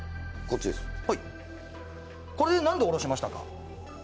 これなんでおろしましたか？